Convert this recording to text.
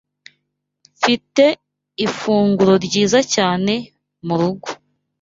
Mfite ifunguro ryiza cyane murugo.